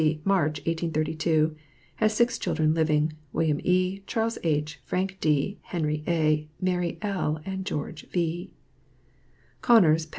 March, 1832; has six children living : William E., Charles H., Frank D., Henry A., Mary L. and George V.